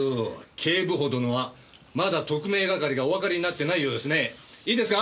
警部補殿はまだ特命係がおわかりになってないようですね。いいですか？